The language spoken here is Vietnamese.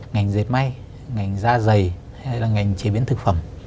ngành dệt may ngành da dày hay là ngành chế biến thực phẩm